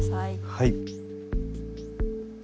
はい。